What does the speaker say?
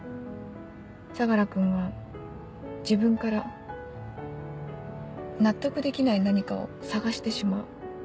相楽君は自分から納得できない何かを探してしまう。